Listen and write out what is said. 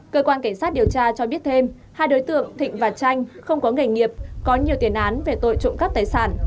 cơ quan cảnh sát điều tra cho biết thêm hai đối tượng thịnh và chanh không có nghề nghiệp có nhiều tiền án về tội trộm cắp tài sản